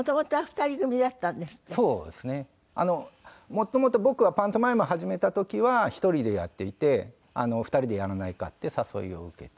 もともと僕はパントマイムを始めた時は１人でやっていて２人でやらないか？って誘いを受けて。